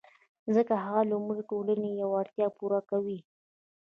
ځکه هغه لومړی د ټولنې یوه اړتیا پوره کوي